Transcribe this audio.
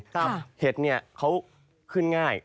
เห็ดเนี่ยเขาขึ้นง่าย